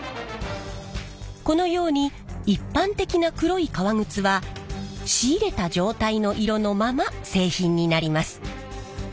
このように一般的な黒い革靴は仕入れた状態の色のまま製品になります。